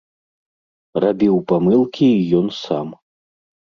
Рабіў памылкі і ён сам.